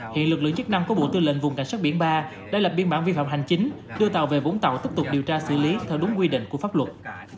hiện lực lượng chức năng của bộ tư lệnh vùng cảnh sát biển ba đã lập biên bản vi phạm hành chính đưa tàu về vũng tàu tiếp tục điều tra xử lý theo đúng quy định của pháp luật